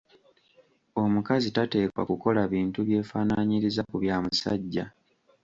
Omukazi tateekwa kukola bintu byefaananyiriza ku bya musajja.